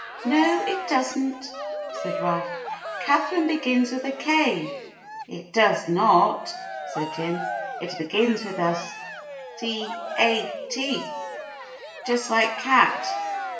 "No, it does n't," said Ralph. "Katharine begins with a Z." "It does not," said Jim. "It begins with a C a U just like cat."